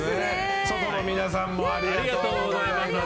外の皆さんもありがとうございます。